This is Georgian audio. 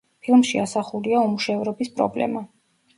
ფილმში ასახულია უმუშევრობის პრობლემა.